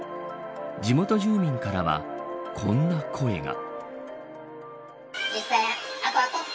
地元住民からはこんな声が。